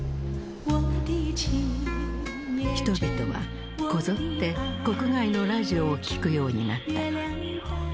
人々はこぞって国外のラジオを聴くようになった。